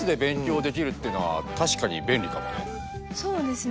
でもそうですね。